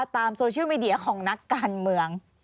ตามโซเชียลมีเดียของนักการเมือง